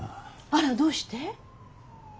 あらどうして？